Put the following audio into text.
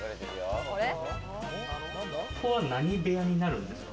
ここは何部屋になるんですか？